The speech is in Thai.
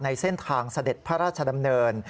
ในเส้นทางเสด็จพระราชดำเนิน